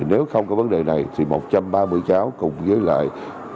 nếu không có vấn đề này thì một trăm ba mươi cháu cùng với lại